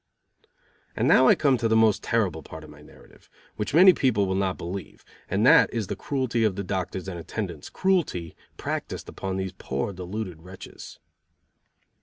And now I come to the most terrible part of my narrative, which many people will not believe and that is the cruelty of the doctors and attendants, cruelty practiced upon these poor, deluded wretches.